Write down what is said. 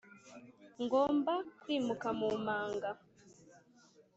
ngomba kwimuka mu manga.